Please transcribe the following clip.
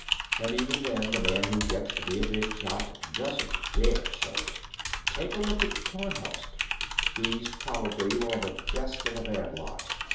"And even then, the man who gets to be a big shot doesn't dare show it. Take a look at Tarnhorst. He's probably one of the best of a bad lot.